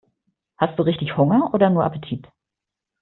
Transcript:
Hast du richtig Hunger oder nur Appetit?